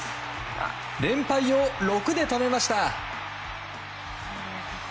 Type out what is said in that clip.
連敗を６で止めました。